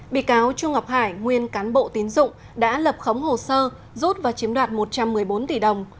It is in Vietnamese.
bị cáo trung ngọc hải nguyên cán bộ tín dụng đã lập khống hồ sơ rút và chiếm đoạt một trăm một mươi bốn tỷ đồng